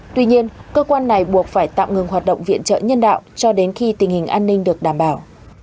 tuy nhiên cơ quan này buộc phải tạm ngừng hoạt động viện trợ nhân đạo cho đến khi tình hình an ninh được đảm bảo